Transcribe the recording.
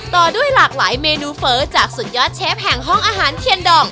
ต่อด้วยหลากหลายเมนูเฟ้อจากสุดยอดเชฟแห่งห้องอาหารเทียนดอง